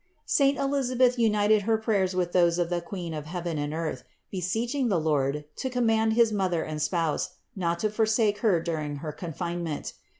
Saint Elisabeth united her prayers with those of the Queen of heaven and earth, beseeching the Lord to command his Mother and Spouse not to forsake her during her confinement.